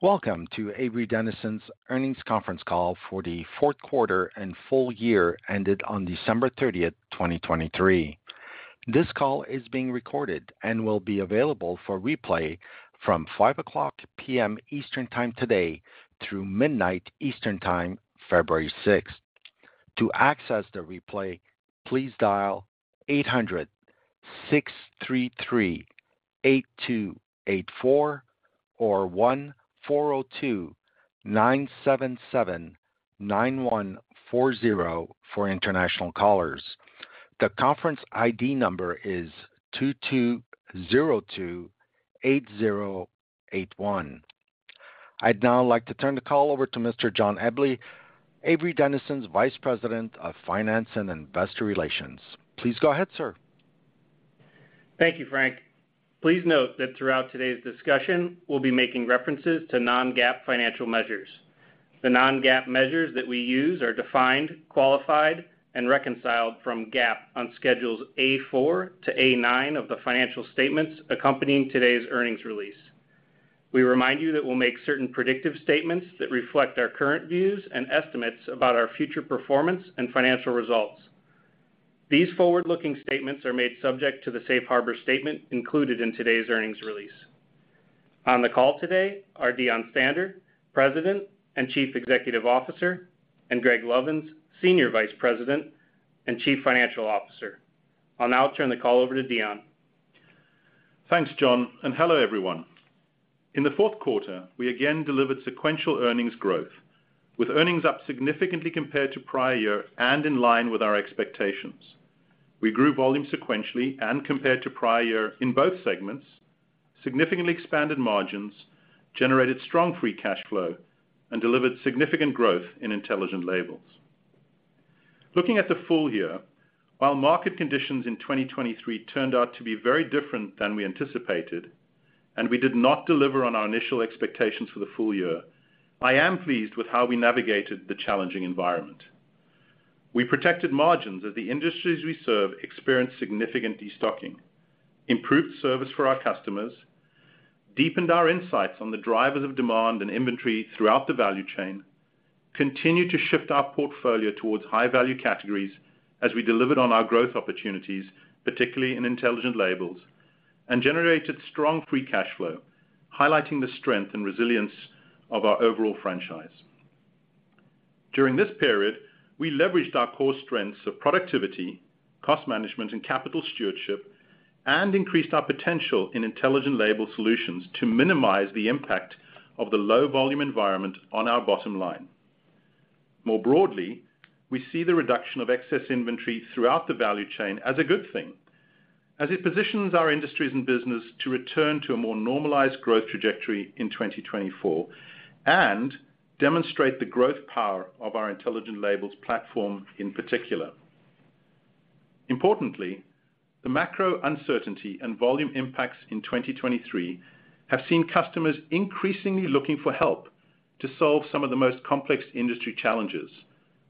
Welcome to Avery Dennison's earnings conference call for the fourth quarter and full year ended on December 30th, 2023. This call is being recorded and will be available for replay from 5:00 P.M. Eastern Time today through 12:00 A.M. Eastern Time, February 6. To access the replay, please dial 800-633-8284, or 1-402-977-9140 for international callers. The conference ID number is 22028081. I'd now like to turn the call over to Mr. John Eble, Avery Dennison's Vice President of Finance and Investor Relations. Please go ahead, sir. Thank you, Frank. Please note that throughout today's discussion, we'll be making references to non-GAAP financial measures. The non-GAAP measures that we use are defined, qualified, and reconciled from GAAP on Schedules A-4 to A-9 of the financial statements accompanying today's earnings release. We remind you that we'll make certain predictive statements that reflect our current views and estimates about our future performance and financial results. These forward-looking statements are made subject to the safe harbor statement included in today's earnings release. On the call today are Deon Stander, President and Chief Executive Officer, and Greg Lovins, Senior Vice President and Chief Financial Officer. I'll now turn the call over to Deon. Thanks, John, and hello, everyone. In the fourth quarter, we again delivered sequential earnings growth, with earnings up significantly compared to prior year and in line with our expectations. We grew volume sequentially and compared to prior year in both segments, significantly expanded margins, generated strong free cash flow, and delivered significant growth in Intelligent Labels. Looking at the full year, while market conditions in 2023 turned out to be very different than we anticipated, and we did not deliver on our initial expectations for the full year, I am pleased with how we navigated the challenging environment. We protected margins as the industries we serve experienced significant destocking, improved service for our customers, deepened our insights on the drivers of demand and inventory throughout the value chain, continued to shift our portfolio towards high-value categories as we delivered on our growth opportunities, particularly in Intelligent Labels, and generated strong Free Cash Flow, highlighting the strength and resilience of our overall franchise. During this period, we leveraged our core strengths of productivity, cost management, and capital stewardship, and increased our potential in Intelligent Labels solutions to minimize the impact of the low volume environment on our bottom line. More broadly, we see the reduction of excess inventory throughout the value chain as a good thing, as it positions our industries and business to return to a more normalized growth trajectory in 2024 and demonstrate the growth power of our Intelligent Labels platform in particular. Importantly, the macro uncertainty and volume impacts in 2023 have seen customers increasingly looking for help to solve some of the most complex industry challenges,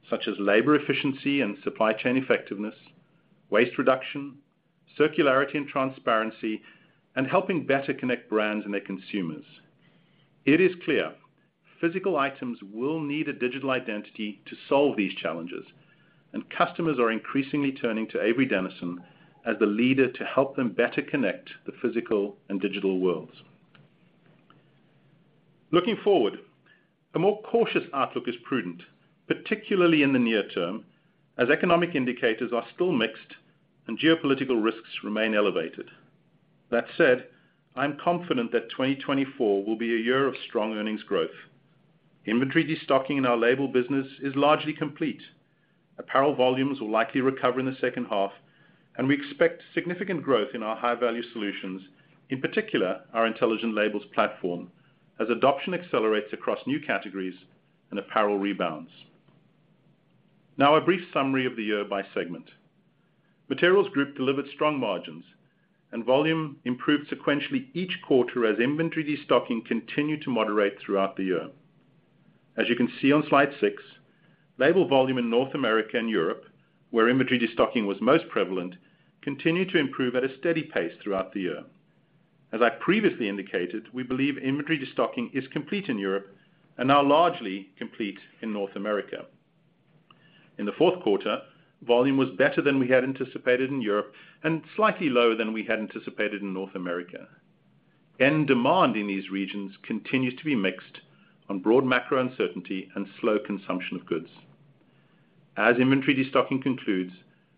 such as labor efficiency and supply chain effectiveness, waste reduction, circularity and transparency, and helping better connect brands and their consumers. It is clear physical items will need a digital identity to solve these challenges, and customers are increasingly turning to Avery Dennison as the leader to help them better connect the physical and digital worlds. Looking forward, a more cautious outlook is prudent, particularly in the near term, as economic indicators are still mixed and geopolitical risks remain elevated. That said, I'm confident that 2024 will be a year of strong earnings growth. Inventory destocking in our label business is largely complete. Apparel volumes will likely recover in the second half, and we expect significant growth in our high-value solutions, in particular, our Intelligent Labels platform, as adoption accelerates across new categories and apparel rebounds. Now, a brief summary of the year by segment. Materials Group delivered strong margins, and volume improved sequentially each quarter as inventory destocking continued to moderate throughout the year. As you can see on slide six, label volume in North America and Europe, where inventory destocking was most prevalent, continued to improve at a steady pace throughout the year. As I previously indicated, we believe inventory destocking is complete in Europe and now largely complete in North America. In the fourth quarter, volume was better than we had anticipated in Europe and slightly lower than we had anticipated in North America. End demand in these regions continues to be mixed on broad macro uncertainty and slow consumption of goods. As inventory destocking concludes,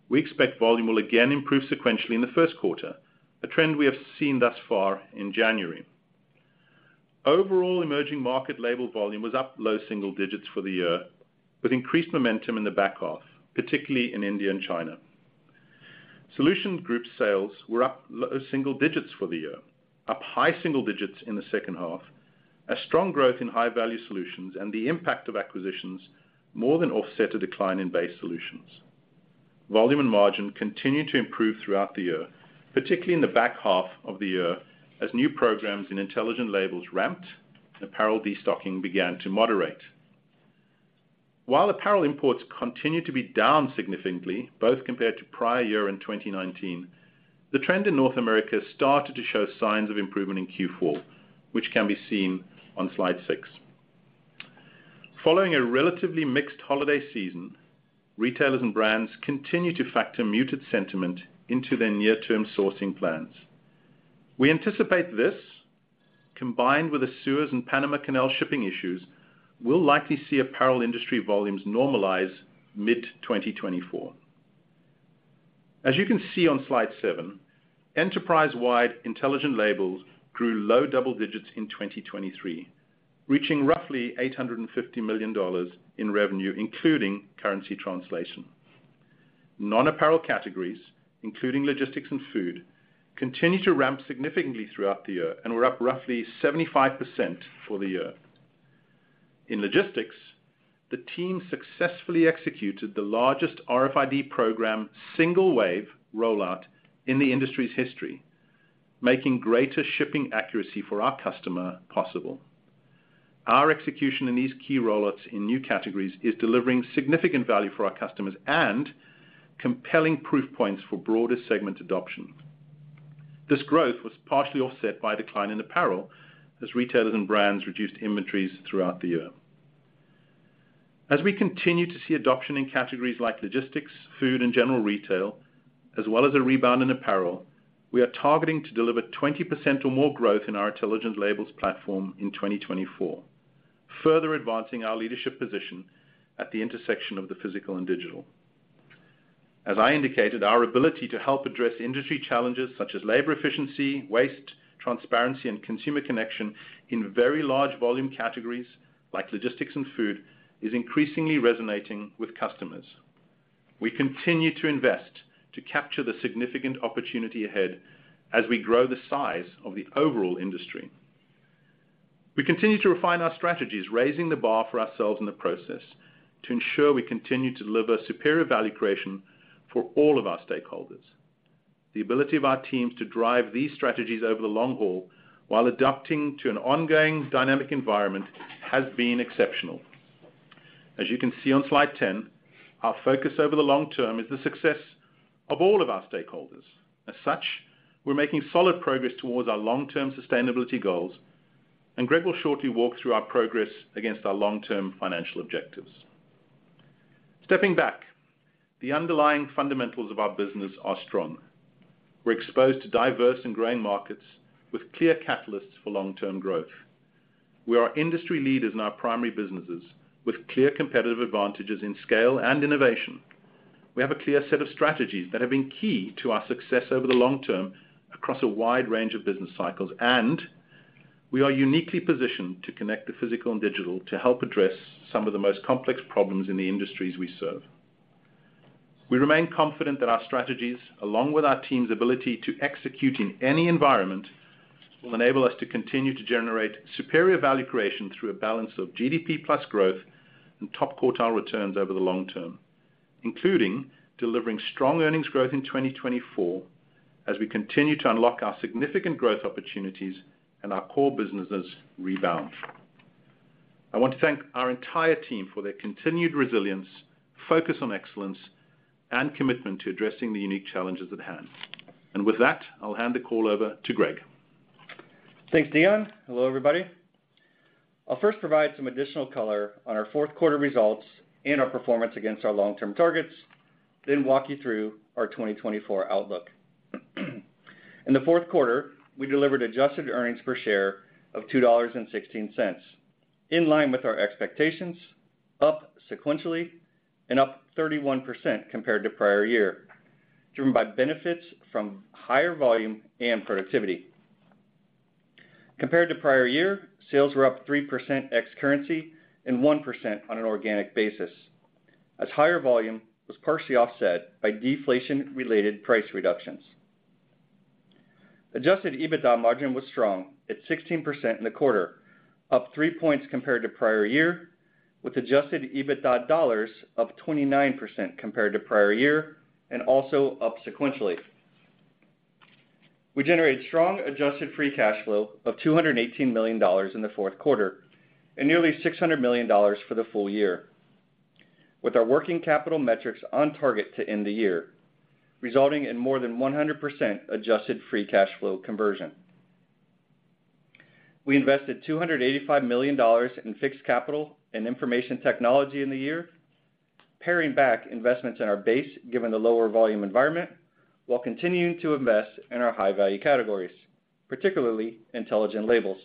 we expect volume will again improve sequentially in the first quarter, a trend we have seen thus far in January. Overall, emerging market label volume was up low single digits for the year, with increased momentum in the back half, particularly in India and China. Solutions Group sales were up low single digits for the year, up high single digits in the second half, as strong growth in high-value solutions and the impact of acquisitions more than offset a decline in base solutions. Volume and margin continued to improve throughout the year, particularly in the back half of the year, as new programs in Intelligent Labels ramped, apparel destocking began to moderate. While apparel imports continue to be down significantly, both compared to prior year in 2019, the trend in North America started to show signs of improvement in Q4, which can be seen on slide six. Following a relatively mixed holiday season, retailers and brands continue to factor muted sentiment into their near-term sourcing plans. We anticipate this, combined with the Suez and Panama Canal shipping issues, will likely see apparel industry volumes normalize mid-2024. As you can see on slide seven, enterprise-wide Intelligent Labels grew low double digits in 2023, reaching roughly $850 million in revenue, including currency translation. Non-apparel categories, including logistics and food, continued to ramp significantly throughout the year and were up roughly 75% for the year. In logistics, the team successfully executed the largest RFID program, single wave rollout in the industry's history, making greater shipping accuracy for our customer possible. Our execution in these key rollouts in new categories is delivering significant value for our customers and compelling proof points for broader segment adoption. This growth was partially offset by a decline in apparel, as retailers and brands reduced inventories throughout the year. As we continue to see adoption in categories like logistics, food, and general retail, as well as a rebound in apparel, we are targeting to deliver 20% or more growth in our Intelligent Labels platform in 2024, further advancing our leadership position at the intersection of the physical and digital. As I indicated, our ability to help address industry challenges such as labor efficiency, waste, transparency, and consumer connection in very large volume categories like logistics and food, is increasingly resonating with customers. We continue to invest to capture the significant opportunity ahead as we grow the size of the overall industry. We continue to refine our strategies, raising the bar for ourselves in the process, to ensure we continue to deliver superior value creation for all of our stakeholders. The ability of our teams to drive these strategies over the long haul, while adapting to an ongoing dynamic environment, has been exceptional. As you can see on slide 10, our focus over the long term is the success of all of our stakeholders. As such, we're making solid progress towards our long-term sustainability goals, and Greg will shortly walk through our progress against our long-term financial objectives. Stepping back, the underlying fundamentals of our business are strong. We're exposed to diverse and growing markets with clear catalysts for long-term growth. We are industry leaders in our primary businesses, with clear competitive advantages in scale and innovation. We have a clear set of strategies that have been key to our success over the long term across a wide range of business cycles, and we are uniquely positioned to connect the physical and digital to help address some of the most complex problems in the industries we serve. We remain confident that our strategies, along with our team's ability to execute in any environment, will enable us to continue to generate superior value creation through a balance of GDP plus growth and top quartile returns over the long term, including delivering strong earnings growth in 2024, as we continue to unlock our significant growth opportunities and our core businesses rebound. I want to thank our entire team for their continued resilience, focus on excellence, and commitment to addressing the unique challenges at hand. With that, I'll hand the call over to Greg. Thanks, Deon. Hello, everybody. I'll first provide some additional color on our fourth quarter results and our performance against our long-term targets, then walk you through our 2024 outlook. In the fourth quarter, we delivered adjusted earnings per share of $2.16, in line with our expectations, up sequentially, and up 31% compared to prior year, driven by benefits from higher volume and productivity. Compared to prior year, sales were up 3% ex-currency and 1% on an organic basis, as higher volume was partially offset by deflation-related price reductions. Adjusted EBITDA margin was strong at 16% in the quarter, up three points compared to prior year, with adjusted EBITDA dollars up 29% compared to prior year, and also up sequentially. We generated strong adjusted free cash flow of $218 million in the fourth quarter, and nearly $600 million for the full year, with our working capital metrics on target to end the year, resulting in more than 100% adjusted free cash flow conversion. We invested $285 million in fixed capital and information technology in the year, paring back investments in our base, given the lower volume environment, while continuing to invest in our high value categories, particularly Intelligent Labels.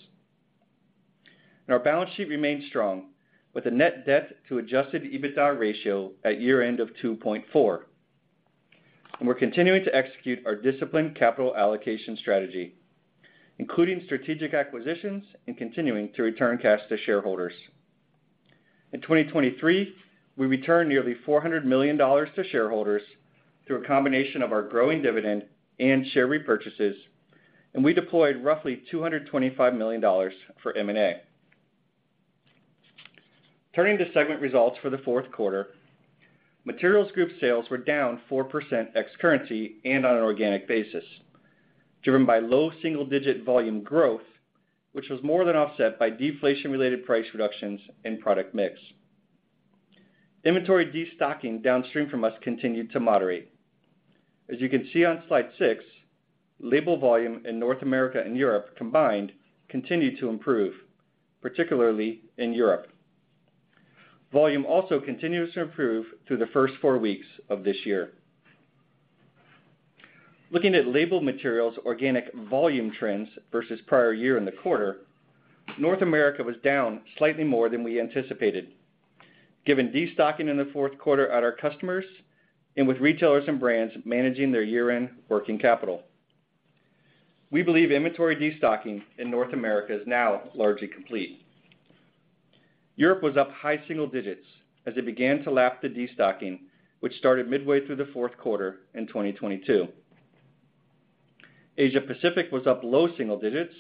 Our balance sheet remains strong, with a net debt to Adjusted EBITDA ratio at year-end of 2.4. We're continuing to execute our disciplined capital allocation strategy, including strategic acquisitions and continuing to return cash to shareholders. In 2023, we returned nearly $400 million to shareholders through a combination of our growing dividend and share repurchases, and we deployed roughly $225 million for M&A. Turning to segment results for the fourth quarter, materials group sales were down 4% ex-currency and on an organic basis, driven by low single-digit volume growth, which was more than offset by deflation-related price reductions and product mix. Inventory destocking downstream from us continued to moderate. As you can see on slide six, label volume in North America and Europe combined continued to improve, particularly in Europe. Volume also continues to improve through the first four weeks of this year. Looking at Label Materials organic volume trends versus prior year in the quarter, North America was down slightly more than we anticipated, given destocking in the fourth quarter at our customers and with retailers and brands managing their year-end working capital. We believe inventory destocking in North America is now largely complete. Europe was up high single digits as it began to lap the destocking, which started midway through the fourth quarter in 2022. Asia Pacific was up low single digits,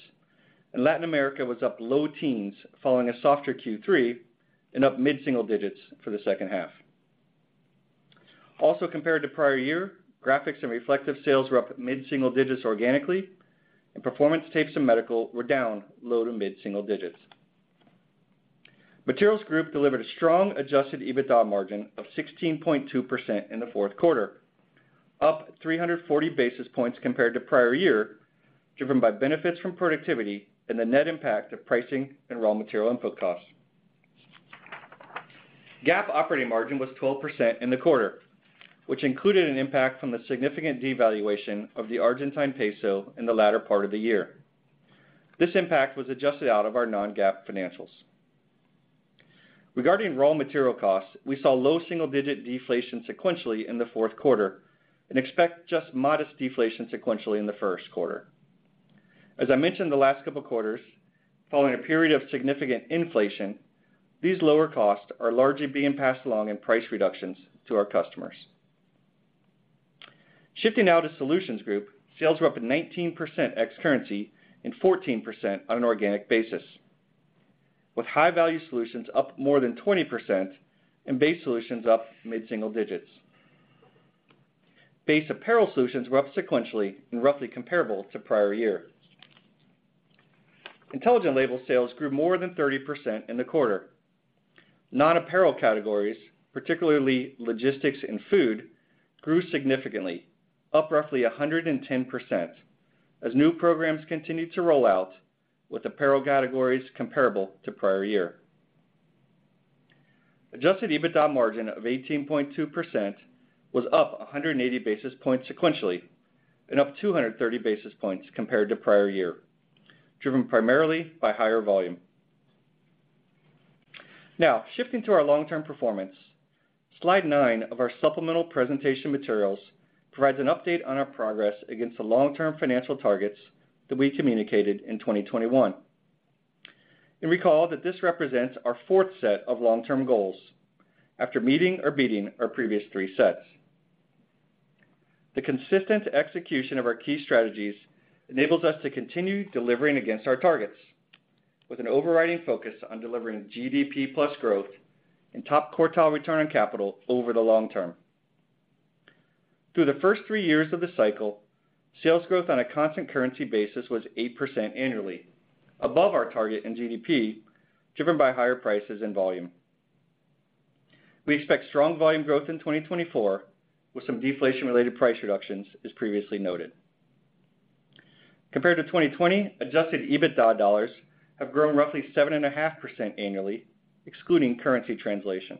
and Latin America was up low teens, following a softer Q3 and up mid single digits for the second half. Also, compared to prior year, Graphics and Reflectives sales were up mid single digits organically, and Performance Tapes and Medical were down low to mid single digits. Materials Group delivered a strong adjusted EBITDA margin of 16.2% in the fourth quarter, up 340 basis points compared to prior year, driven by benefits from productivity and the net impact of pricing and raw material input costs. GAAP operating margin was 12% in the quarter, which included an impact from the significant devaluation of the Argentine peso in the latter part of the year. This impact was adjusted out of our non-GAAP financials. Regarding raw material costs, we saw low single-digit deflation sequentially in the fourth quarter and expect just modest deflation sequentially in the first quarter. As I mentioned the last couple of quarters, following a period of significant inflation, these lower costs are largely being passed along in price reductions to our customers. Shifting now to Solutions Group, sales were up 19% ex currency and 14% on an organic basis, with high-value solutions up more than 20% and base solutions up mid single digits. Base apparel solutions were up sequentially and roughly comparable to prior year. Intelligent Labels sales grew more than 30% in the quarter. Non-apparel categories, particularly logistics and food, grew significantly, up roughly 110%, as new programs continued to roll out, with apparel categories comparable to prior year. Adjusted EBITDA margin of 18.2% was up 180 basis points sequentially, and up 230 basis points compared to prior year, driven primarily by higher volume. Now, shifting to our long-term performance, slide nine of our supplemental presentation materials provides an update on our progress against the long-term financial targets that we communicated in 2021. Recall that this represents our fourth set of long-term goals after meeting or beating our previous three sets. The consistent execution of our key strategies enables us to continue delivering against our targets with an overriding focus on delivering GDP plus growth and top quartile return on capital over the long term. Through the first three years of the cycle, sales growth on a constant currency basis was 8% annually, above our target in GDP, driven by higher prices and volume. We expect strong volume growth in 2024, with some deflation-related price reductions, as previously noted. Compared to 2020, adjusted EBITDA dollars have grown roughly 7.5% annually, excluding currency translation.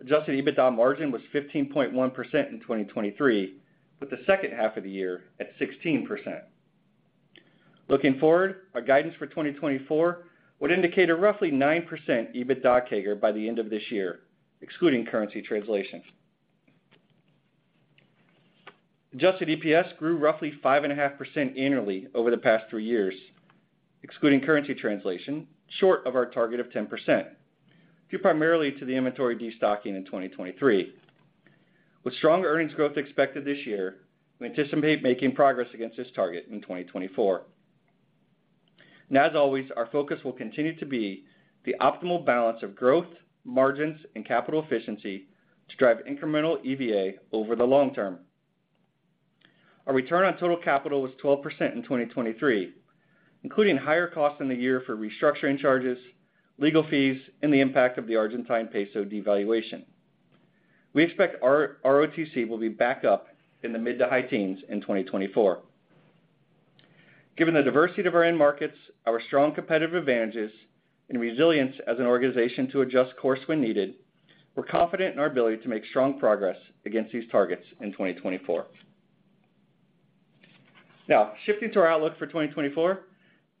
Adjusted EBITDA margin was 15.1% in 2023, with the second half of the year at 16%. Looking forward, our guidance for 2024 would indicate a roughly 9% EBITDA CAGR by the end of this year, excluding currency translation. Adjusted EPS grew roughly 5.5% annually over the past three years, excluding currency translation, short of our target of 10%, due primarily to the inventory destocking in 2023. With strong earnings growth expected this year, we anticipate making progress against this target in 2024. And as always, our focus will continue to be the optimal balance of growth, margins, and capital efficiency to drive incremental EVA over the long term. Our return on total capital was 12% in 2023, including higher costs in the year for restructuring charges, legal fees, and the impact of the Argentine peso devaluation. We expect our ROTC will be back up in the mid to high teens in 2024. Given the diversity of our end markets, our strong competitive advantages, and resilience as an organization to adjust course when needed, we're confident in our ability to make strong progress against these targets in 2024. Now, shifting to our outlook for 2024.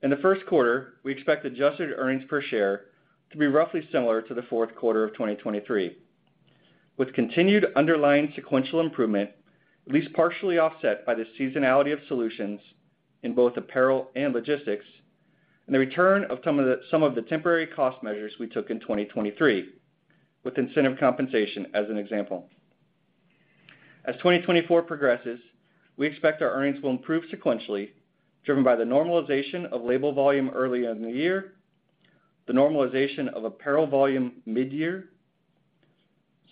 In the first quarter, we expect adjusted earnings per share to be roughly similar to the fourth quarter of 2023, with continued underlying sequential improvement, at least partially offset by the seasonality of solutions in both apparel and logistics, and the return of some of the temporary cost measures we took in 2023, with incentive compensation as an example. As 2024 progresses, we expect our earnings will improve sequentially, driven by the normalization of label volume early in the year, the normalization of apparel volume mid-year.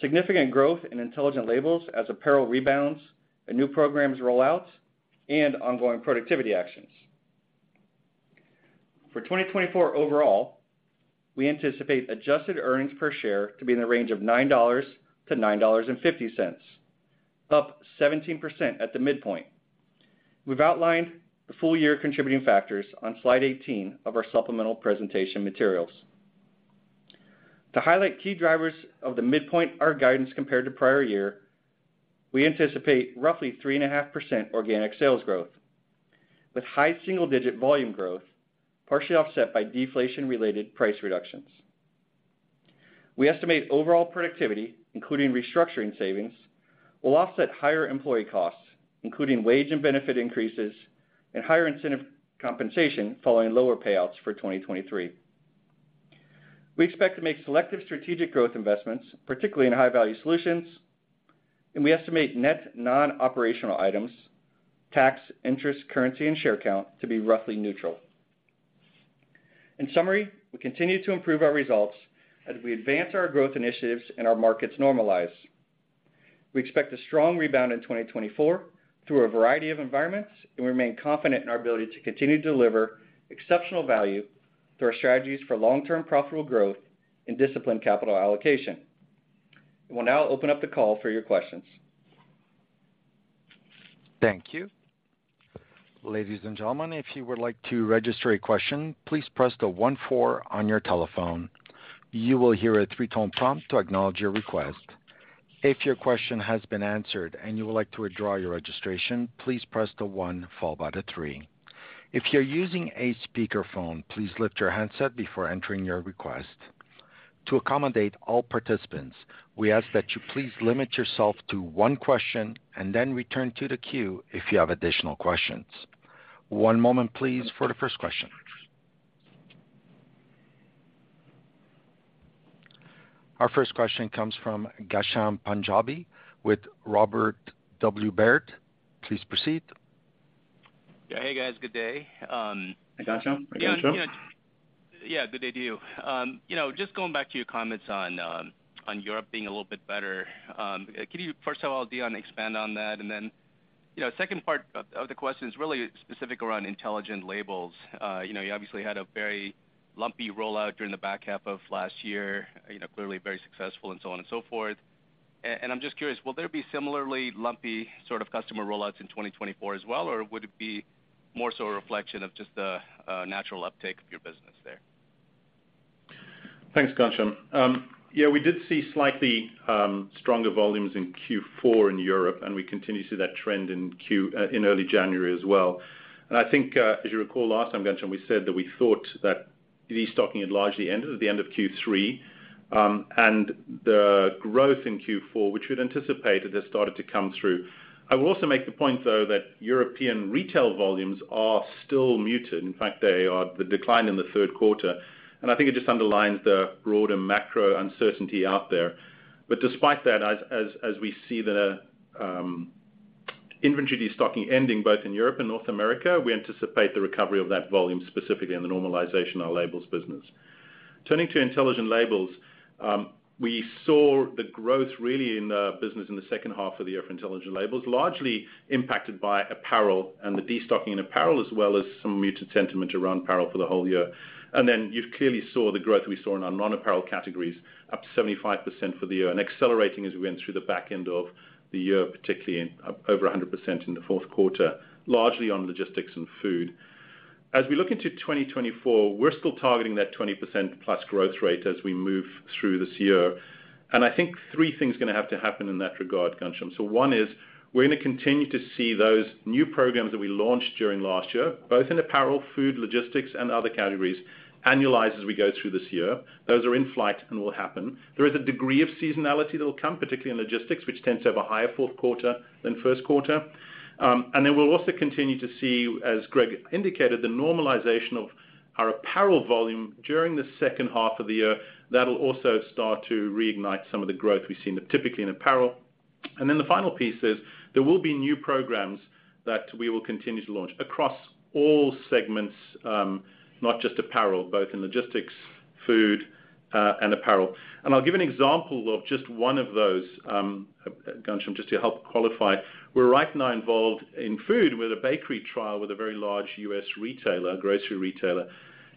Significant growth in Intelligent Labels as apparel rebounds and new programs roll out and ongoing productivity actions. For 2024 overall, we anticipate adjusted earnings per share to be in the range of $9-$9.50, up 17% at the midpoint. We've outlined the full year contributing factors on slide 18 of our supplemental presentation materials. To highlight key drivers of the midpoint, our guidance compared to prior year, we anticipate roughly 3.5% organic sales growth, with high single-digit volume growth, partially offset by deflation-related price reductions. We estimate overall productivity, including restructuring savings, will offset higher employee costs, including wage and benefit increases and higher incentive compensation following lower payouts for 2023. We expect to make selective strategic growth investments, particularly in high value solutions, and we estimate net non-operational items, tax, interest, currency, and share count to be roughly neutral. In summary, we continue to improve our results as we advance our growth initiatives and our markets normalize. We expect a strong rebound in 2024 through a variety of environments, and we remain confident in our ability to continue to deliver exceptional value through our strategies for long-term profitable growth and disciplined capital allocation. We'll now open up the call for your questions. Thank you. Ladies and gentlemen, if you would like to register a question, please press the one four on your telephone. You will hear a three-tone prompt to acknowledge your request. If your question has been answered and you would like to withdraw your registration, please press the one followed by the three. If you're using a speakerphone, please lift your handset before entering your request. To accommodate all participants, we ask that you please limit yourself to one question and then return to the queue if you have additional questions. One moment, please, for the first question. Our first question comes from Ghansham Panjabi with Robert W. Baird. Please proceed. Yeah. Hey, guys, good day, Hi, Ghansham. Yeah, yeah. Good day to you. You know, just going back to your comments on, on Europe being a little bit better, can you first of all, Deon, expand on that? And then, you know, second part of, of the question is really specific around Intelligent Labels. You know, you obviously had a very lumpy rollout during the back half of last year, you know, clearly very successful and so on and so forth. And, and I'm just curious, will there be similarly lumpy sort of customer rollouts in 2024 as well, or would it be more so a reflection of just the, natural uptake of your business there? Thanks, Ghansham. Yeah, we did see slightly stronger volumes in Q4 in Europe, and we continue to see that trend in early January as well. And I think, as you recall, last time, Ghansham, we said that we thought that destocking had largely ended at the end of Q3, and the growth in Q4, which we'd anticipated, had started to come through. I will also make the point, though, that European retail volumes are still muted. In fact, they are the decline in the third quarter, and I think it just underlines the broader macro uncertainty out there. But despite that, as we see the inventory destocking ending both in Europe and North America, we anticipate the recovery of that volume, specifically in the normalization of our labels business. Turning to Intelligent Labels, we saw the growth really in the business in the second half of the year for Intelligent Labels, largely impacted by apparel and the destocking in apparel, as well as some muted sentiment around apparel for the whole year. And then you've clearly saw the growth we saw in our non-apparel categories, up 75% for the year, and accelerating as we went through the back end of the year, particularly up over 100% in the fourth quarter, largely on logistics and food. As we look into 2024, we're still targeting that 20%+ growth rate as we move through this year. And I think three things are gonna have to happen in that regard, Ghansham. So one is, we're gonna continue to see those new programs that we launched during last year, both in apparel, food, logistics, and other categories, annualize as we go through this year. Those are in flight and will happen. There is a degree of seasonality that will come, particularly in logistics, which tends to have a higher fourth quarter than first quarter. And then we'll also continue to see, as Greg indicated, the normalization of our apparel volume during the second half of the year. That'll also start to reignite some of the growth we've seen typically in apparel. And then the final piece is there will be new programs that we will continue to launch across all segments, not just apparel, both in logistics, food, and apparel. And I'll give an example of just one of those, Ghansham, just to help qualify. We're right now involved in food with a bakery trial, with a very large U.S. retailer, grocery retailer,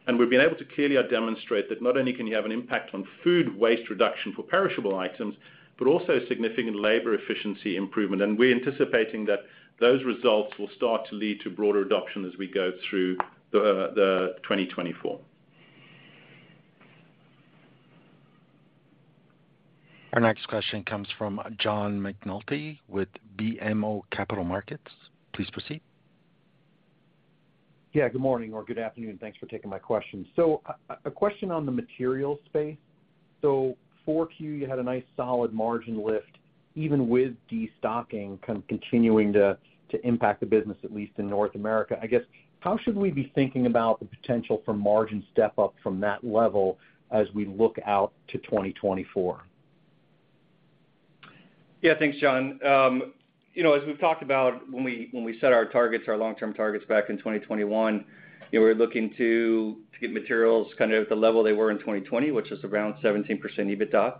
and we've been able to clearly demonstrate that not only can you have an impact on food waste reduction for perishable items, but also significant labor efficiency improvement. And we're anticipating that those results will start to lead to broader adoption as we go through the 2024. Our next question comes from John McNulty with BMO Capital Markets. Please proceed. Yeah, good morning or good afternoon. Thanks for taking my question. So a question on the materials space. So 4Q, you had a nice, solid margin lift, even with destocking kind of continuing to impact the business, at least in North America. I guess, how should we be thinking about the potential for margin step up from that level as we look out to 2024? Yeah, thanks, John. You know, as we've talked about when we set our targets, our long-term targets back in 2021, we were looking to get materials kind of at the level they were in 2020, which is around 17% EBITDA.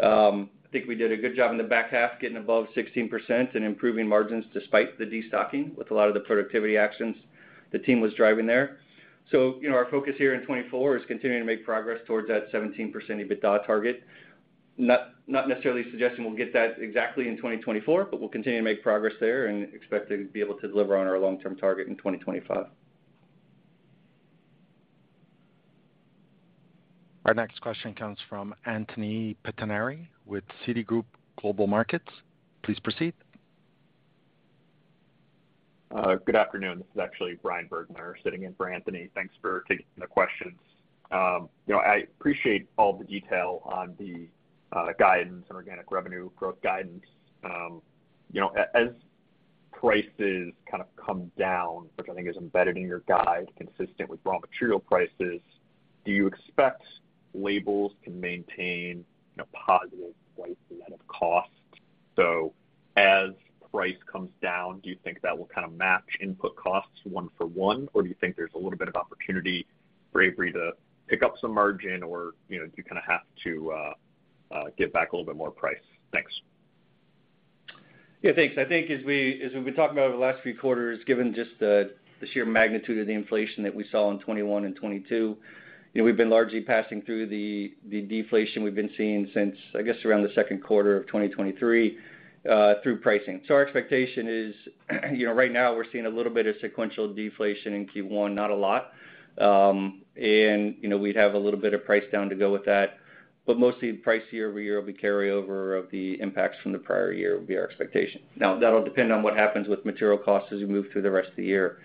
I think we did a good job in the back half, getting above 16% and improving margins despite the destocking, with a lot of the productivity actions the team was driving there. You know, our focus here in 2024 is continuing to make progress towards that 17% EBITDA target. Not, not necessarily suggesting we'll get that exactly in 2024, but we'll continue to make progress there and expect to be able to deliver on our long-term target in 2025. Our next question comes from Anthony Pettinari with Citigroup Global Markets. Please proceed. Good afternoon. This is actually Bryan Burgmeier sitting in for Anthony Pettinari. Thanks for taking the questions. You know, I appreciate all the detail on the guidance and organic revenue growth guidance. You know, as prices kind of come down, which I think is embedded in your guide, consistent with raw material prices, do you expect labels to maintain, you know, positive price ahead of cost? So as price comes down, do you think that will kind of match input costs one for one, or do you think there's a little bit of opportunity for Avery to pick up some margin or, you know, do you kind of have to give back a little bit more price? Thanks. Yeah, thanks. I think as we, as we've been talking about over the last few quarters, given just the, the sheer magnitude of the inflation that we saw in 2021 and 2022, you know, we've been largely passing through the, the deflation we've been seeing since, I guess, around the second quarter of 2023, through pricing. So our expectation is, you know, right now we're seeing a little bit of sequential deflation in Q1, not a lot. And, you know, we'd have a little bit of price down to go with that, but mostly price year over year will be carryover of the impacts from the prior year, would be our expectation. Now, that'll depend on what happens with material costs as we move through the rest of the year.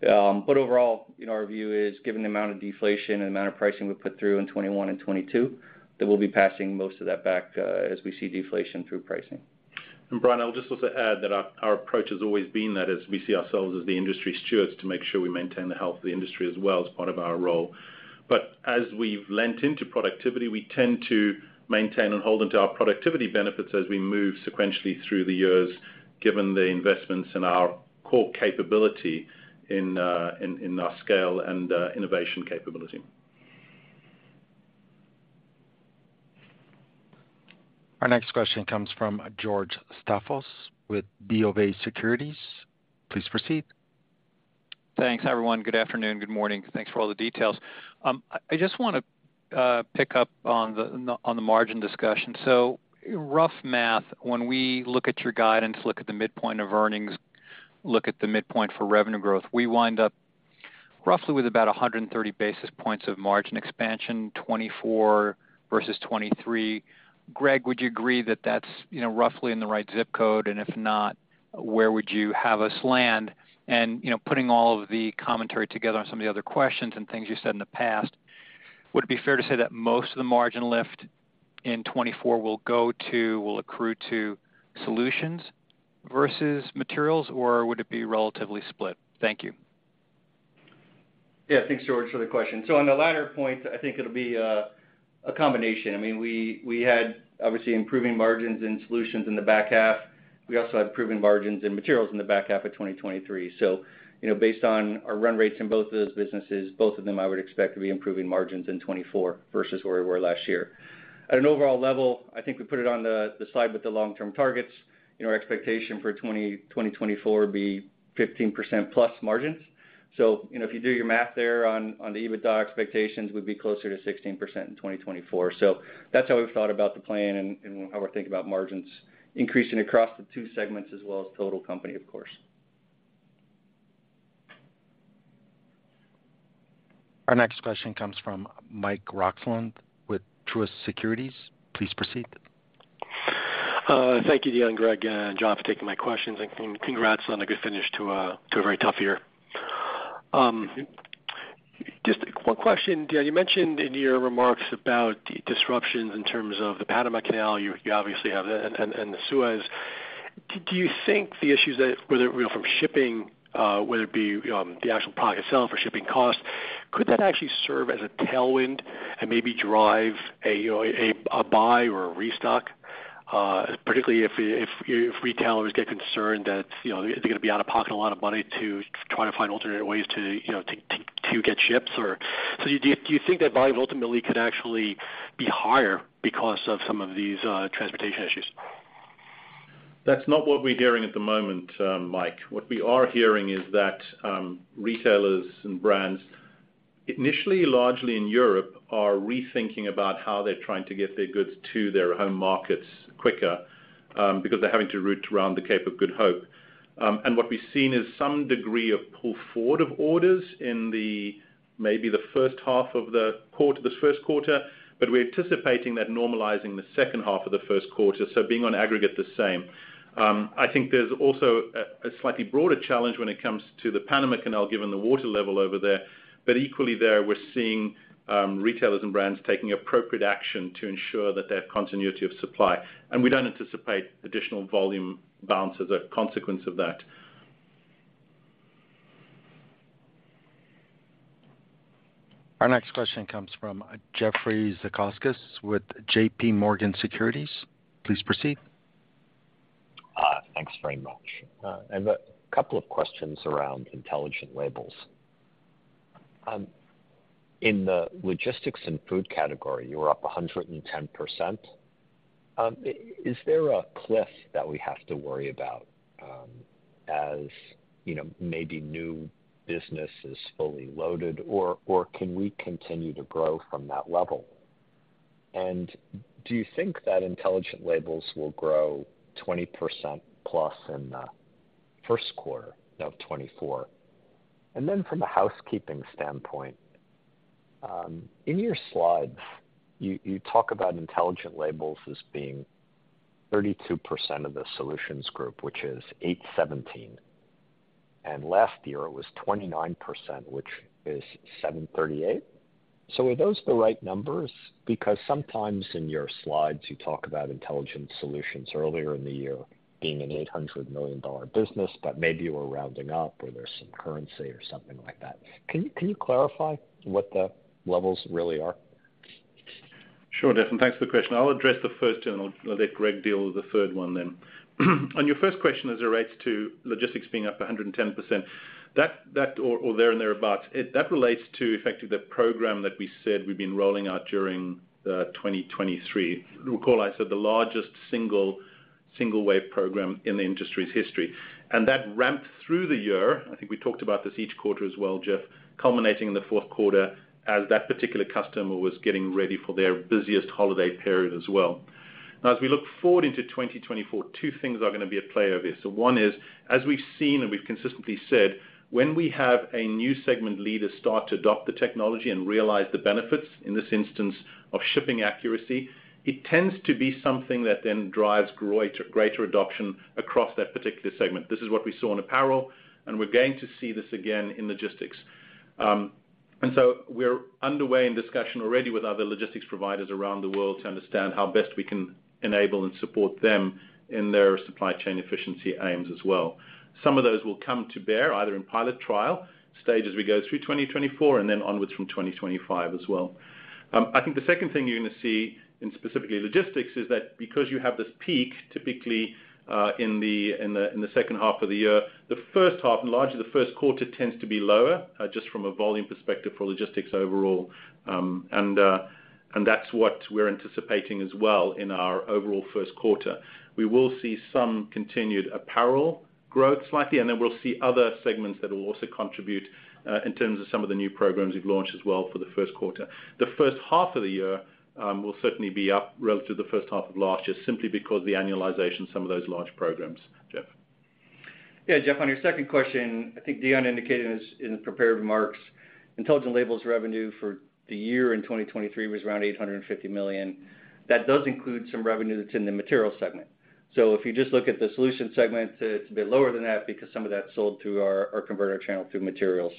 But overall, you know, our view is, given the amount of deflation and the amount of pricing we put through in 2021 and 2022, that we'll be passing most of that back as we see deflation through pricing. And Brian, I'll just also add that our approach has always been that, as we see ourselves as the industry stewards, to make sure we maintain the health of the industry as well, as part of our role. But as we've leaned into productivity, we tend to maintain and hold onto our productivity benefits as we move sequentially through the years, given the investments in our core capability in our scale and innovation capability. Our next question comes from George Staphos with BofA Securities. Please proceed. Thanks, everyone. Good afternoon, good morning. Thanks for all the details. I just wanna pick up on the margin discussion. So rough math, when we look at your guidance, look at the midpoint of earnings, look at the midpoint for revenue growth, we wind up roughly with about 130 basis points of margin expansion, 2024 versus 2023. Greg, would you agree that that's, you know, roughly in the right zip code, and if not, where would you have us land? And, you know, putting all of the commentary together on some of the other questions and things you said in the past, would it be fair to say that most of the margin lift in 2024 will go to, will accrue to solutions versus materials, or would it be relatively split? Thank you. Yeah. Thanks, George, for the question. So on the latter point, I think it'll be a combination. I mean, we had obviously improving margins in solutions in the back half. We also had improving margins in materials in the back half of 2023. So, you know, based on our run rates in both of those businesses, both of them I would expect to be improving margins in 2024 versus where we were last year. At an overall level, I think we put it on the slide with the long-term targets, you know, our expectation for 2024 would be 15%+ margins. So, you know, if you do your math there on the EBITDA expectations, we'd be closer to 16% in 2024. So that's how we've thought about the plan and how we're thinking about margins increasing across the two segments as well as total company, of course. Our next question comes from Mike Roxland with Truist Securities. Please proceed. Thank you, Deon, Greg, and John, for taking my questions, and congrats on a good finish to a very tough year. Just one question. Deon, you mentioned in your remarks about the disruptions in terms of the Panama Canal. You obviously have that and the Suez Canal. Do you think the issues that, whether you know from shipping, whether it be the actual product itself or shipping costs, could that actually serve as a tailwind and maybe drive a you know a buy or a restock, particularly if retailers get concerned that you know they're gonna be out of pocket a lot of money to try to find alternate ways to you know to get ships or... So do you think that volume ultimately could actually be higher because of some of these transportation issues? That's not what we're hearing at the moment, Mike. What we are hearing is that, retailers and brands, initially largely in Europe, are rethinking about how they're trying to get their goods to their home markets quicker, because they're having to route around the Cape of Good Hope. And what we've seen is some degree of pull forward of orders in the maybe the first half of the quarter, this first quarter, but we're anticipating that normalizing the second half of the first quarter, so being on aggregate the same. I think there's also a slightly broader challenge when it comes to the Panama Canal, given the water level over there, but equally there, we're seeing, retailers and brands taking appropriate action to ensure that they have continuity of supply, and we don't anticipate additional volume bounce as a consequence of that. Our next question comes from Jeffrey Zekauskas with JPMorgan Securities. Please proceed. Thanks very much. I have a couple of questions around Intelligent Labels. In the logistics and food category, you were up 110%. Is there a cliff that we have to worry about, as you know, maybe new business is fully loaded, or can we continue to grow from that level? And do you think that Intelligent Labels will grow 20%+ in the first quarter of 2024? And then from a housekeeping standpoint, in your slides, you talk about Intelligent Labels as being 32% of the solutions group, which is $817 million, and last year it was 29%, which is $738 million. So are those the right numbers? Because sometimes in your slides, you talk about intelligent solutions earlier in the year being an $800 million business, but maybe you were rounding up or there's some currency or something like that. Can you, can you clarify what the levels really are? Sure, Jeff, and thanks for the question. I'll address the first, and I'll let Greg deal with the third one then. On your first question, as it relates to logistics being up 110%, that or thereabouts, that relates to effectively the program that we said we've been rolling out during 2023. You'll recall I said, the largest single wave program in the industry's history. And that ramped through the year. I think we talked about this each quarter as well, Jeff, culminating in the fourth quarter as that particular customer was getting ready for their busiest holiday period as well. Now, as we look forward into 2024, two things are gonna be at play over here. So one is, as we've seen and we've consistently said, when we have a new segment leader start to adopt the technology and realize the benefits, in this instance of shipping accuracy, it tends to be something that then drives greater adoption across that particular segment. This is what we saw in apparel, and we're going to see this again in logistics. And so we're underway in discussion already with other logistics providers around the world to understand how best we can enable and support them in their supply chain efficiency aims as well. Some of those will come to bear either in pilot trial stage as we go through 2024 and then onwards from 2025 as well. I think the second thing you're gonna see in specifically logistics is that because you have this peak, typically, in the second half of the year, the first half, and largely the first quarter tends to be lower, just from a volume perspective for logistics overall. That's what we're anticipating as well in our overall first quarter. We will see some continued apparel growth slightly, and then we'll see other segments that will also contribute, in terms of some of the new programs we've launched as well for the first quarter. The first half of the year will certainly be up relative to the first half of last year, simply because the annualization of some of those large programs. Jeff. Yeah, Jeff, on your second question, I think Deon indicated in his, in the prepared remarks, Intelligent Labels revenue for the year in 2023 was around $850 million. That does include some revenue that's in the materials segment. So if you just look at the solutions segment, it's a bit lower than that because some of that's sold through our, our converter channel through materials.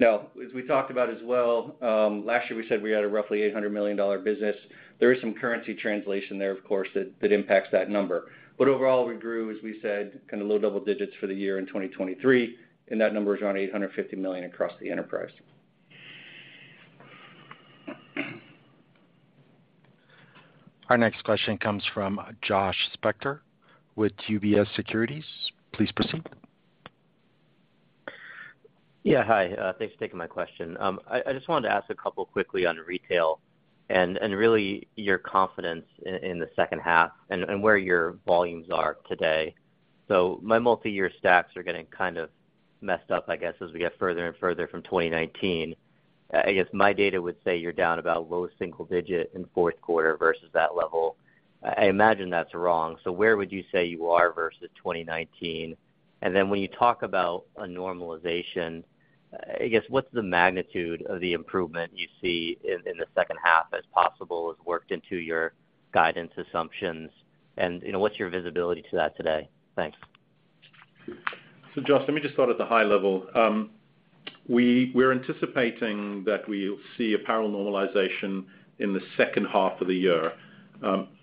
Now, as we talked about as well, last year, we said we had a roughly $800 million business. There is some currency translation there, of course, that, that impacts that number. But overall, we grew, as we said, kind of low double digits for the year in 2023, and that number is around $850 million across the enterprise. Our next question comes from Josh Spector with UBS Securities. Please proceed. Yeah, hi. Thanks for taking my question. I just wanted to ask a couple quickly on retail and really your confidence in the second half and where your volumes are today. So my multi-year stacks are getting kind of messed up, I guess, as we get further and further from 2019. I guess my data would say you're down about low single digit in fourth quarter versus that level. I imagine that's wrong. So where would you say you are versus 2019? And then when you talk about a normalization, I guess, what's the magnitude of the improvement you see in the second half as possible as worked into your guidance assumptions? And, you know, what's your visibility to that today? Thanks. So, Josh, let me just start at the high level. We're anticipating that we'll see apparel normalization in the second half of the year,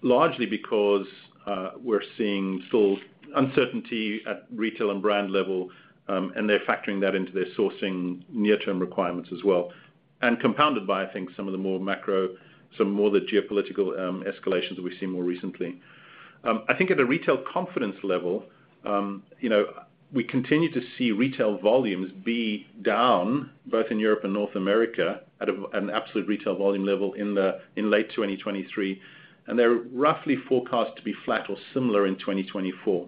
largely because we're seeing still uncertainty at retail and brand level, and they're factoring that into their sourcing near-term requirements as well, and compounded by, I think, some of the more macro, some more of the geopolitical escalations we've seen more recently. I think at a retail confidence level, you know, we continue to see retail volumes be down both in Europe and North America at an absolute retail volume level in late 2023, and they're roughly forecast to be flat or similar in 2024.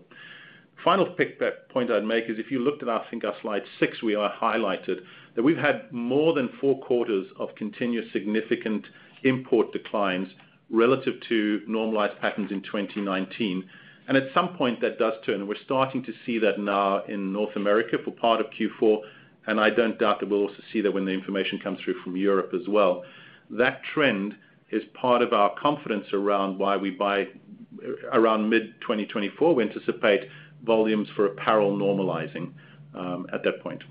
Final pick, point I'd make is, if you looked at, I think, our slide six, we highlighted that we've had more than four quarters of continuous significant import declines relative to normalized patterns in 2019. At some point, that does turn. We're starting to see that now in North America for part of Q4, and I don't doubt that we'll also see that when the information comes through from Europe as well. That trend is part of our confidence around why we by, around mid-2024, we anticipate volumes for apparel normalizing, at that point.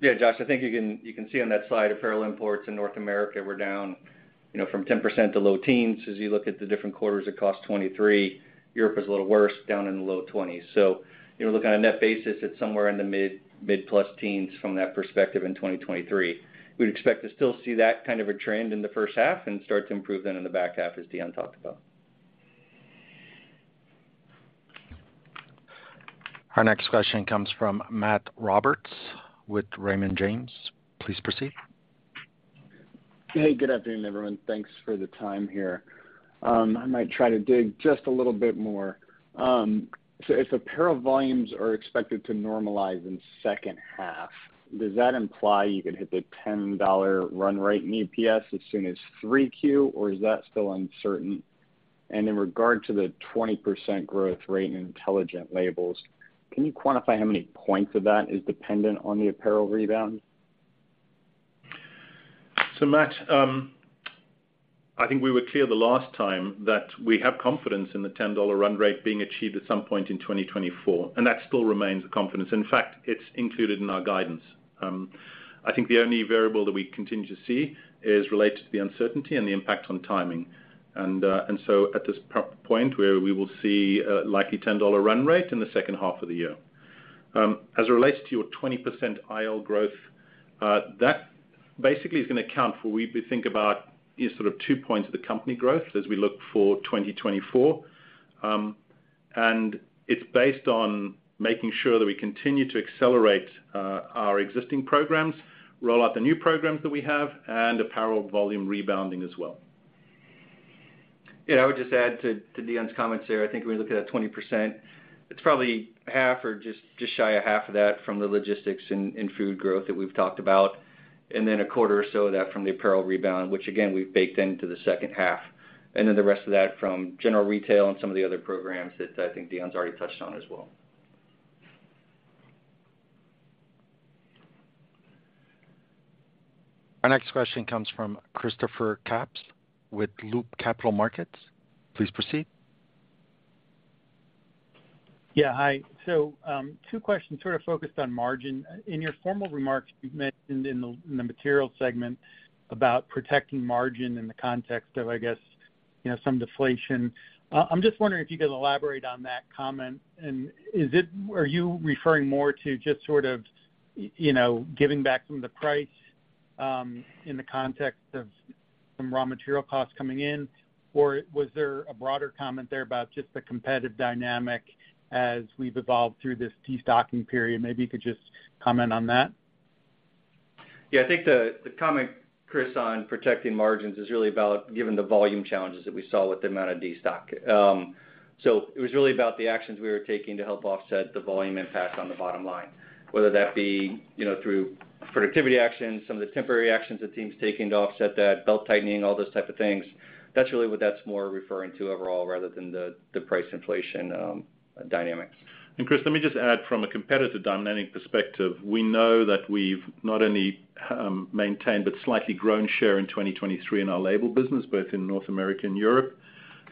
.Yeah, Josh, I think you can, you can see on that slide, apparel imports in North America were down, you know, from 10% to low teens. As you look at the different quarters, across 2023, Europe is a little worse, down in the low 20s. So, you know, looking on a net basis, it's somewhere in the mid-, mid-plus teens from that perspective in 2023. We'd expect to still see that kind of a trend in the first half and start to improve then in the back half, as Deon talked about. Our next question comes from Matt Roberts with Raymond James. Please proceed. Hey, good afternoon, everyone. Thanks for the time here. I might try to dig just a little bit more. So if apparel volumes are expected to normalize in second half, does that imply you could hit the $10 run rate in EPS as soon as 3Q, or is that still uncertain? And in regard to the 20% growth rate in Intelligent Labels, can you quantify how many points of that is dependent on the apparel rebound? So, Matt, I think we were clear the last time that we have confidence in the $10 run rate being achieved at some point in 2024, and that still remains a confidence. In fact, it's included in our guidance. I think the only variable that we continue to see is related to the uncertainty and the impact on timing. And so at this point we will see likely $10 run rate in the second half of the year. As it relates to your 20% IL growth, that basically is gonna account for we think about sort of two points of the company growth as we look for 2024. It's based on making sure that we continue to accelerate our existing programs, roll out the new programs that we have, and apparel volume rebounding as well. Yeah, I would just add to Deon's comments there. I think when we look at that 20%, it's probably half or just shy of half of that from the logistics and food growth that we've talked about, and then a quarter or so of that from the apparel rebound, which again, we've baked into the second half, and then the rest of that from general retail and some of the other programs that I think Deon's already touched on as well. Our next question comes from Christopher Kapsch with Loop Capital Markets. Please proceed. Yeah, hi. So, two questions sort of focused on margin. In your formal remarks, you've mentioned in the, in the materials segment about protecting margin in the context of, I guess, you know, some deflation. I'm just wondering if you could elaborate on that comment, and is it-- are you referring more to just sort of, you know, giving back some of the price, in the context of some raw material costs coming in? Or was there a broader comment there about just the competitive dynamic as we've evolved through this destocking period? Maybe you could just comment on that. Yeah, I think the comment, Chris, on protecting margins is really about given the volume challenges that we saw with the amount of destocking. So it was really about the actions we were taking to help offset the volume impact on the bottom line, whether that be, you know, through productivity actions, some of the temporary actions the team's taking to offset that, belt-tightening, all those type of things. That's really what that's more referring to overall, rather than the price inflation dynamics. Chris, let me just add from a competitive dynamic perspective, we know that we've not only maintained, but slightly grown share in 2023 in our label business, both in North America and Europe,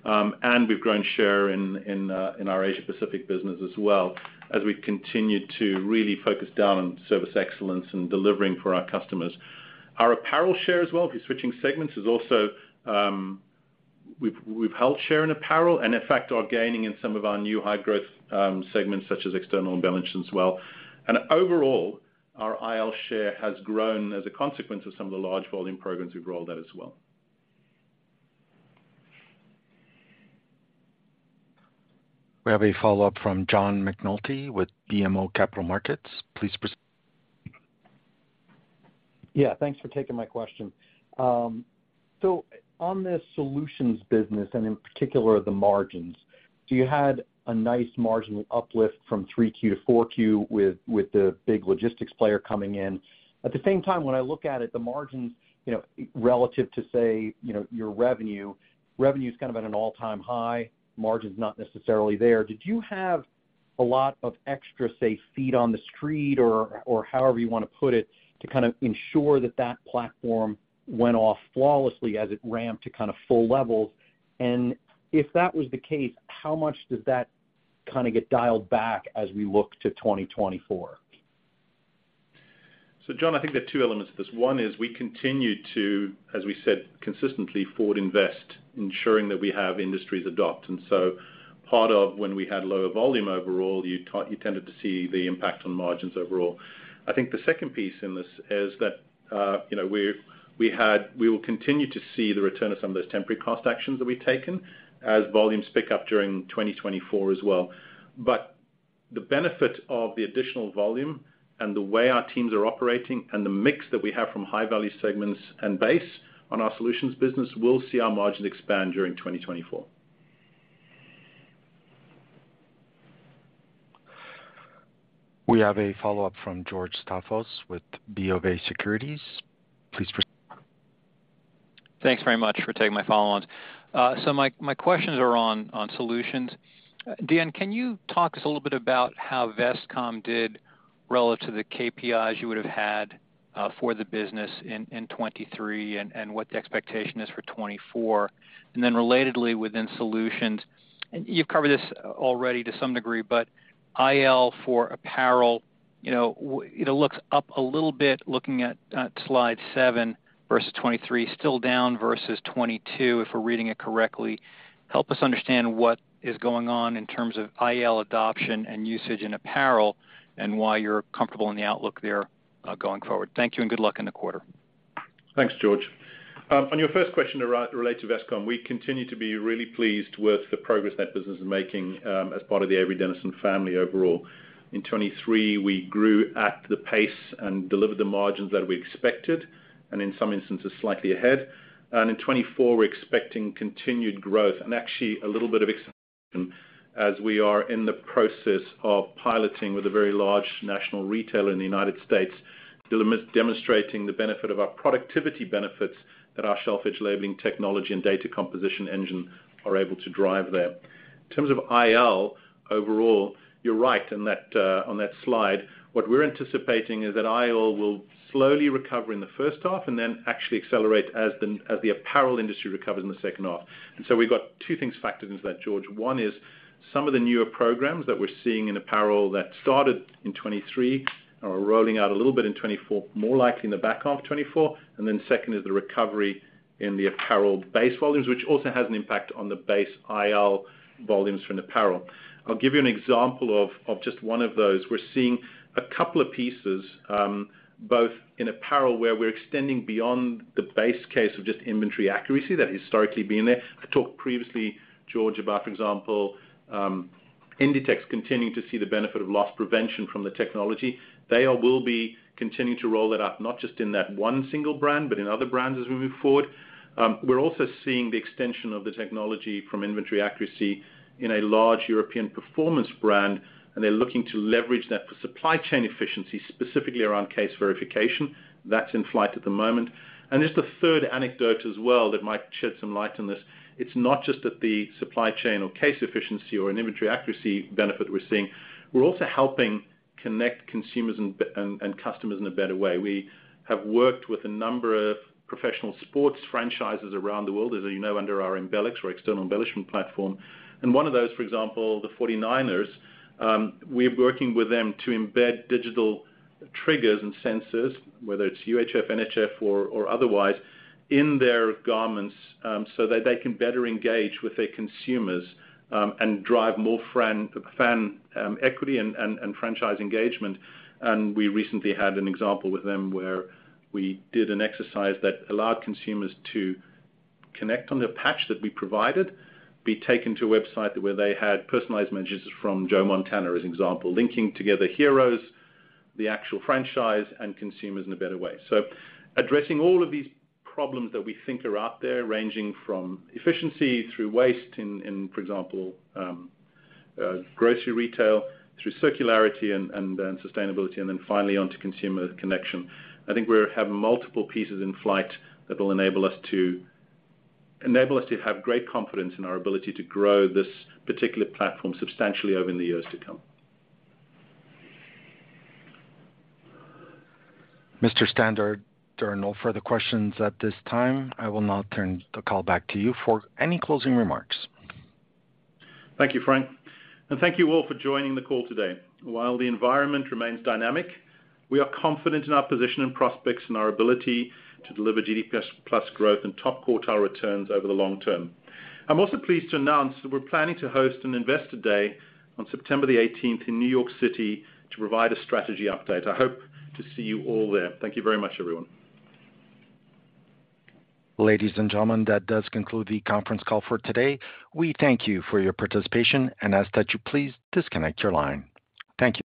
and we've grown share in our Asia Pacific business as well, as we continue to really focus down on service excellence and delivering for our customers. Our apparel share as well, if you're switching segments, is also. We've held share in apparel and, in fact, are gaining in some of our new high-growth segments, such as external embellishments as well. Overall, our IL share has grown as a consequence of some of the large volume programs we've rolled out as well. We have a follow-up from John McNulty with BMO Capital Markets. Please proceed. Yeah, thanks for taking my question. So on this solutions business, and in particular, the margins, so you had a nice marginal uplift from 3Q to 4Q with the big logistics player coming in. At the same time, when I look at it, the margins, you know, relative to say, you know, your revenue, revenue is kind of at an all-time high, margin's not necessarily there. Did you have a lot of extra, say, feet on the street or however you wanna put it, to kind of ensure that that platform went off flawlessly as it ramped to kind of full levels? And if that was the case, how much does that kind of get dialed back as we look to 2024? So, John, I think there are two elements to this. One is we continue to, as we said, consistently forward invest, ensuring that we have industries adopt. And so part of when we had lower volume overall, you tended to see the impact on margins overall. I think the second piece in this is that, you know, we will continue to see the return of some of those temporary cost actions that we've taken as volumes pick up during 2024 as well. But the benefit of the additional volume and the way our teams are operating and the mix that we have from high-value segments and based on our solutions business will see our margins expand during 2024. We have a follow-up from George Staphos with BofA Securities. Please proceed. Thanks very much for taking my follow-ons. So my questions are on solutions. Deon, can you talk to us a little bit about how Vestcom did relative to the KPIs you would have had for the business in 2023, and what the expectation is for 2024? And then relatedly, within solutions, and you've covered this already to some degree, but IL for apparel, you know, it looks up a little bit, looking at slide seven versus 2023, still down versus 2022, if we're reading it correctly. Help us understand what is going on in terms of IL adoption and usage in apparel, and why you're comfortable in the outlook there, going forward. Thank you, and good luck in the quarter. Thanks, George. On your first question related to Vestcom, we continue to be really pleased with the progress that business is making, as part of the Avery Dennison family overall. In 2023, we grew at the pace and delivered the margins that we expected, and in some instances, slightly ahead. In 2024, we're expecting continued growth and actually a little bit of expansion, as we are in the process of piloting with a very large national retailer in the United States, demonstrating the benefit of our productivity benefits that our shelf edge labeling technology and data composition engine are able to drive there. In terms of IL, overall, you're right in that, on that slide. What we're anticipating is that IL will slowly recover in the first half, and then actually accelerate as the apparel industry recovers in the second half. And so we've got two things factored into that, George. One is some of the newer programs that we're seeing in apparel that started in 2023 are rolling out a little bit in 2024, more likely in the back half of 2024. And then second is the recovery in the apparel base volumes, which also has an impact on the base IL volumes from apparel. I'll give you an example of just one of those. We're seeing a couple of pieces, both in apparel, where we're extending beyond the base case of just inventory accuracy that historically been there. I talked previously, George, about, for example, Inditex continuing to see the benefit of loss prevention from the technology. They all will be continuing to roll it out, not just in that one single brand, but in other brands as we move forward. We're also seeing the extension of the technology from inventory accuracy in a large European performance brand, and they're looking to leverage that for supply chain efficiency, specifically around case verification. That's in flight at the moment. There's the third anecdote as well that might shed some light on this. It's not just that the supply chain or case efficiency or an inventory accuracy benefit we're seeing, we're also helping connect consumers and brands and customers in a better way. We have worked with a number of professional sports franchises around the world, as you know, under our Embelex or external embellishment platform. And one of those, for example, the 49ers, we're working with them to embed digital triggers and sensors, whether it's UHF, NFC or otherwise, in their garments, so that they can better engage with their consumers, and drive more fan equity and franchise engagement. And we recently had an example with them where we did an exercise that allowed consumers to connect on the patch that we provided, be taken to a website where they had personalized messages from Joe Montana, as an example, linking together heroes, the actual franchise, and consumers in a better way. So addressing all of these problems that we think are out there, ranging from efficiency through waste in, for example, grocery retail, through circularity and sustainability, and then finally on to consumer connection. I think we have multiple pieces in flight that will enable us to have great confidence in our ability to grow this particular platform substantially over the years to come. Mr. Stander, there are no further questions at this time. I will now turn the call back to you for any closing remarks. Thank you, Frank, and thank you all for joining the call today. While the environment remains dynamic, we are confident in our position and prospects and our ability to deliver GDP plus growth and top quartile returns over the long term. I'm also pleased to announce that we're planning to host an Investor Day on September 18th in New York City to provide a strategy update. I hope to see you all there. Thank you very much, everyone. Ladies and gentlemen, that does conclude the conference call for today. We thank you for your participation and ask that you please disconnect your line. Thank you.